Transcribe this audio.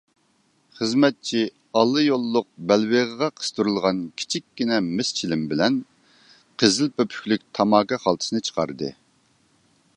خىزمەتچى ئالا يوللۇق بەلۋېغىغا قىستۇرۇلغان كىچىككىنە مىس چىلىم بىلەن قىزىل پۆپۈكلۈك تاماكا خالتىسىنى چىقاردى.